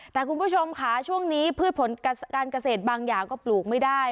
แต่คุณผู้ชมค่ะช่วงนี้พืชผลการเกษตรบางอย่างก็ปลูกไม่ได้